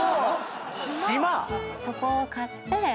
そこを買って。